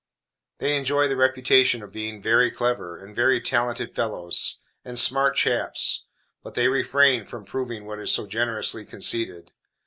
They enjoy the reputation of being "very clever," and "very talented fellows," and "smart chaps"; but they refrain from proving what is so generously conceded.